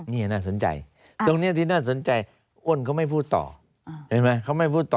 นี่น่าสนใจตรงนี้ที่น่าสนใจอ้นเขาไม่พูดต่อเห็นไหมเขาไม่พูดต่อ